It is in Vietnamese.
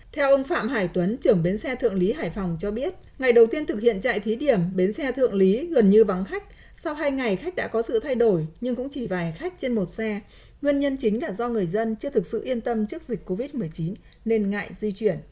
theo ông phạm hải tuấn trưởng bến xe thượng lý hải phòng cho biết ngày đầu tiên thực hiện chạy thí điểm bến xe thượng lý gần như vắng khách sau hai ngày khách đã có sự thay đổi nhưng cũng chỉ vài khách trên một xe nguyên nhân chính là do người dân chưa thực sự yên tâm trước dịch covid một mươi chín nên ngại di chuyển